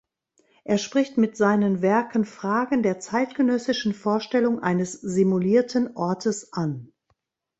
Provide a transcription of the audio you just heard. Er spricht mit seinen Werken Fragen der zeitgenössischen Vorstellung eines „simulierten“ Ortes an.